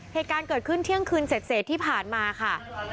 เหตุการณ์เกิดขึ้นเที่ยงคืนเสร็จที่ผ่านมาค่ะ